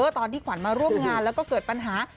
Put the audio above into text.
ตอนที่ขวัญมาร่วมงานแล้วก็เกิดปัญหา